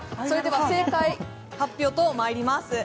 それでは正解発表とまいります。